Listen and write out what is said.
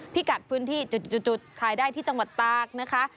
พิกัดพื้นที่จุดถ่ายได้ที่จังหวัดตากนะคะ